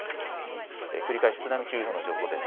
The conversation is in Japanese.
繰り返し津波注意報の情報です。